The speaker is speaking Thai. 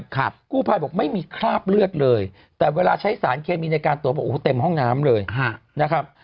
กู้ภัยบอกไม่มีคราบเลือดเลยแต่เวลาใช้สารเคมีในการตรวจบอกโอ้โหเต็มห้องน้ำเลยนะครับ